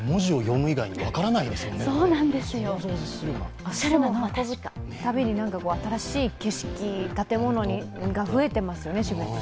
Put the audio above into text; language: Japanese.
行くたびに新しい景色が増えてますよね。